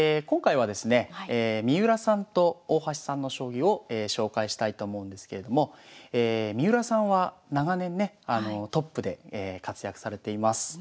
今回はですね三浦さんと大橋さんの将棋を紹介したいと思うんですけれども三浦さんは長年ねトップで活躍されています。